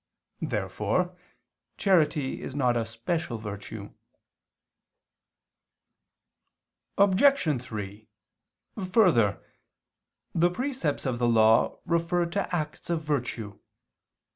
Therefore charity is not a special virtue. Obj. 3: Further, the precepts of the Law refer to acts of virtue.